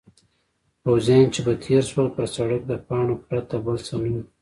پوځیان چې به تېر شول پر سړک د پاڼو پرته بل څه نه وو.